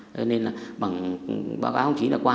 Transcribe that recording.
cho nên là bằng báo cáo không chỉ là qua